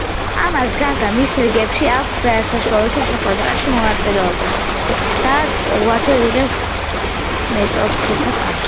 ამას გარდა, მის რიგებში ექვს საერთაშორისო შეხვედრაში მონაწილეობს, სადაც რვაჯერ იღებს მეტოქეთა კარს.